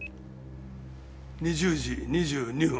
２０時２２分。